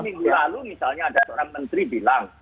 minggu lalu misalnya ada seorang menteri bilang